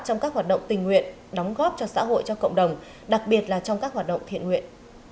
trong các hoạt động tình nguyện đóng góp cho xã hội cho cộng đồng đặc biệt là trong các hoạt động thiện nguyện